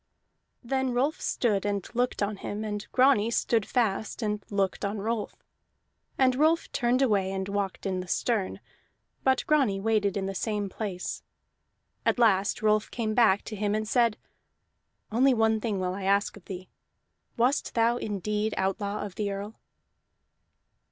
Then Rolf stood and looked on him, and Grani stood fast and looked on Rolf. And Rolf turned away and walked in the stern, but Grani waited in the same place. At last Rolf came back to him and said: "Only one thing will I ask of thee. Wast thou indeed outlaw of the Earl?"